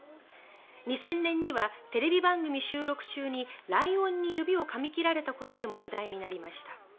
２０００年にはテレビ番組収録中にライオンに指をかみ切られたことでも話題となりました。